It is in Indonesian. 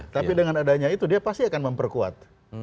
tapi dengan adanya itu dia pasti akan memperkuat